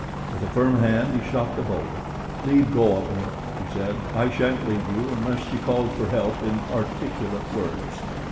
With a firm hand he shot the bolt. "Leave go of me," he said; "I shan't leave you unless she calls for help in articulate words."